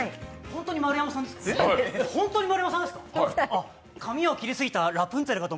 本当に丸山さんですか？